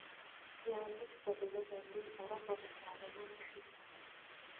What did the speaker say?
یا لږ تر لږه بې طرفه مطالعه نه شي کولای